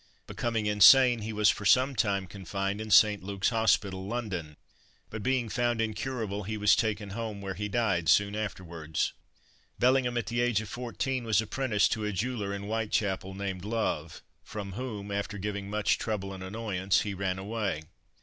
Becoming insane, he was for some time confined in St. Luke's Hospital, London; but being found incurable he was taken home, where he died soon afterwards. Bellingham, at the age of fourteen, was apprenticed to a jeweller in Whitechapel, named Love, from whom, after giving much trouble and annoyance, he ran away.